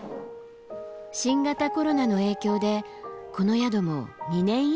新型コロナの影響でこの宿も２年以上休業。